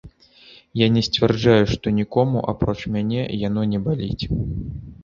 Я не сцвярджаю, што нікому, апроч мяне, яно не баліць.